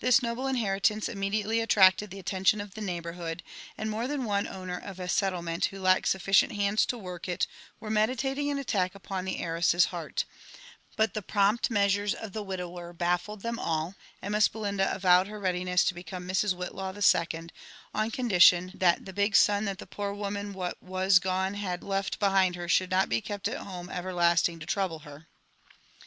This noble inherittnee immediately attracted the attention of the neighbourhood, and more than one owner of a settlement who lacked sufficient hands to work it were meditating an attack upon the heiress's heart ; but the prompt measures of the widower baffled them all, and Miss Belinda avowed her readiness to become Mrs. Whitlaw the second, on condition that "the big son ih9i the poor woman what was gone had left behind her should not be kept at home everlasting to trouble her."